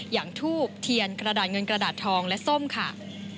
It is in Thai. อย่างทูบเทียนกระดาษเงินกระดาษทองและส้มค่ะ